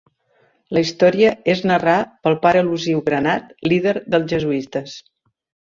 La història és narrar pel pare elusiu granat, líder dels jesuïtes.